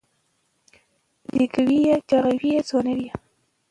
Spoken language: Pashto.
زېږوي یې چاغوي یې ځوانوي یې